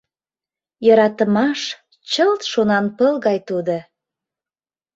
Йӧратымаш чылт шонанпыл гай тудо.